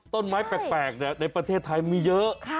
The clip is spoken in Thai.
แปลกในประเทศไทยมีเยอะ